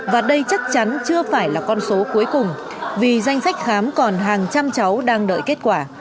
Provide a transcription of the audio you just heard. và đây chắc chắn chưa phải là con số cuối cùng vì danh sách khám còn hàng trăm cháu đang đợi kết quả